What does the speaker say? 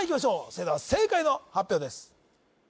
それでは正解の発表です